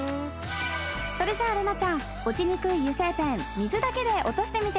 それじゃあ怜奈ちゃん落ちにくい油性ペン水だけで落としてみて。